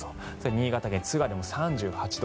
新潟県津川でも３８度。